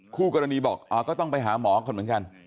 คู่กรณีบอกก็ต้องไปหาหมอก่อนเหมือนกัน